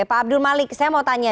pak abdul malik saya mau tanya